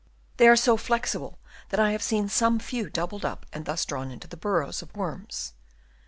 They are so flexible that I have seen some few doubled up and thus drawn into the burrows of worms.